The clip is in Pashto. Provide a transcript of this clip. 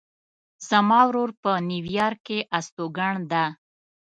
زما ورور په نیویارک کې استوګن ده